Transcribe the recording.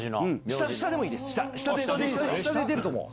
下で出ると思う。